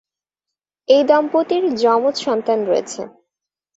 এই দম্পতির যমজ সন্তান রয়েছে।